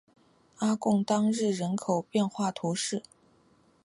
阿贡当日人口变化图示